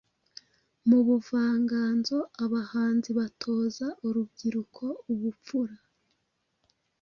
Mu buvanganzo, abahanzi batoza urubyiruko ubupfura,